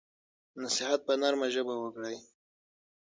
نصیحت په نرمه ژبه وکړئ.